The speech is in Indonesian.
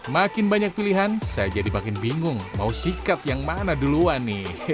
makin banyak pilihan saya jadi makin bingung mau sikat yang mana duluan nih